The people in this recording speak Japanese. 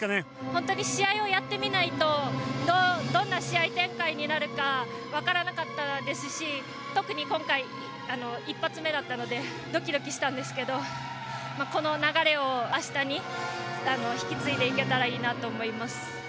本当に試合をやってみないとどんな試合展開になるかわからなかったですし特に今回、１発目だったのでドキドキしたんですけどこの流れを明日に引き継いでいけたらいいなと思います。